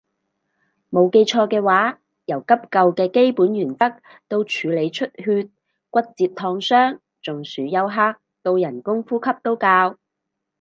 冇記錯嘅話由急救嘅基本原則到處理出血骨折燙傷中暑休克到人工呼吸都教